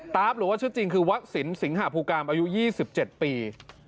ตาฟหรือว่าชื่อจริงคือวักษินสิงหาภูกรรมอายุยี่สิบเจ็ดปี